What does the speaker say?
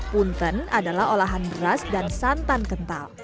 punten adalah olahan beras dan santan kental